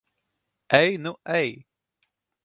Ej nu ej!